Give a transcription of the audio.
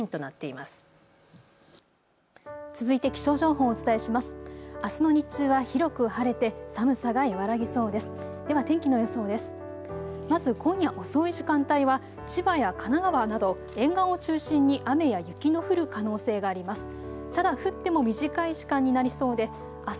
まず今夜遅い時間帯は千葉や神奈川など沿岸を中心に雨や雪の降る可能性があります。